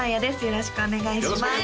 よろしくお願いします